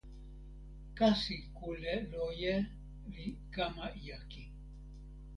kasi kule loje li kama jaki.